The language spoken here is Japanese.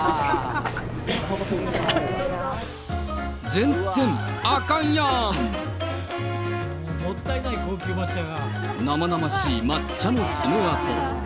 全然あかんやん。なまなましい抹茶の爪痕。